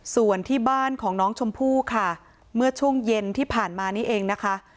ส่วนที่บ้านของน้องชมพู่ค่ะเมื่อช่วงเย็นที่ผ่านมานี่เองนะคะ